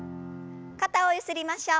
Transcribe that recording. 肩をゆすりましょう。